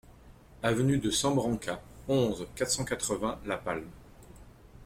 Avenue de San Brancat, onze, quatre cent quatre-vingts La Palme